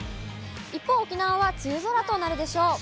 一方、沖縄は梅雨空となるでしょう。